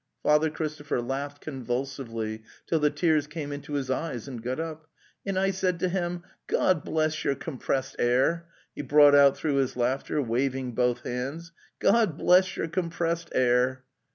'"" Father Christopher laughed convulsively, till the tears came into his eyes, and got up. 'And I said to him, ' God bless your compressed air!' '' he brought out through his laughter, waving both hands. '' God bless your compressed air!"